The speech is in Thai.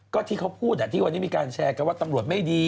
ก็ที่เขาพูดที่วันนี้มีการแชร์กันว่าตำรวจไม่ดี